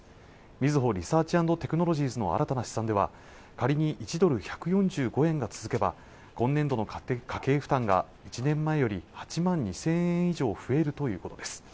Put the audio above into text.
みずほリサーチ＆テクノロジーズの新たな試算では仮に１ドル１４５円が続けば今年度の家庭家計負担が１年前より８万２０００円以上増えるということです